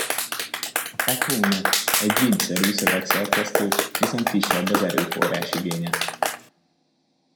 A Kakoune egy Vim-szerű szövegszerkesztő, viszont kisebb az erőforrás-igénye.